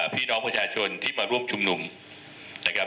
พี่น้องประชาชนที่มาร่วมชุมนุมนะครับ